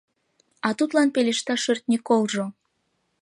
А тудлан пелешта шӧртньӧ колжо: